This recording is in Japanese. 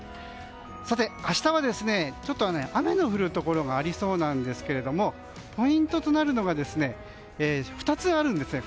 さて、明日は雨の降るところがありそうなんですがポイントとなるのが２つあるんですね。